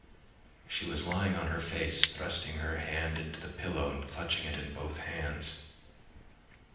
She was lying on her face, thrusting her face into the pillow and clutching it in both hands.